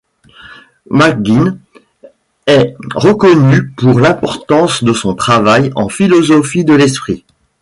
McGinn est reconnu pour l’importance de son travail en philosophie de l’esprit.